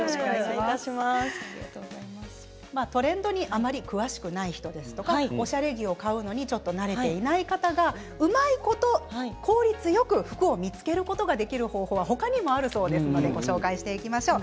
トレンドにあまり詳しくない人やおしゃれ着を買うのにちょっと慣れていない方がうまいこと効率よく服を見つけることができる方法は他にもあるそうですのでご紹介していきましょう。